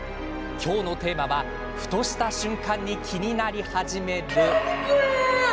今日のテーマはふとした瞬間に気になり始める。